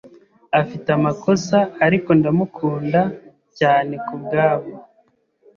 Afite amakosa, ariko ndamukunda cyane kubwabo.